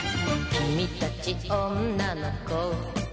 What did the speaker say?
「君たち女の子」